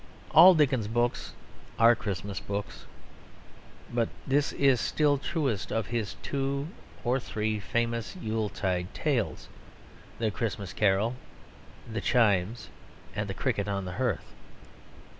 All Dickens's books are Christmas books. But this is still truest of his two or three famous Yuletide tales The Christmas Carol and The Chimes and The Cricket on the Hearth.